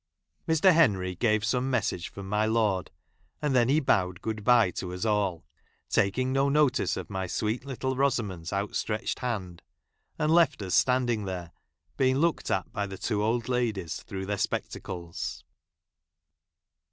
Mr. Henry gave some message from my lord, ■ and then he bowed good bye to us all, —, taking no notice of my sweet little Miss il Rosamond's out stretched hand^ — and left us ■ standing there, being looked at by the two i old ladies through their spectacles.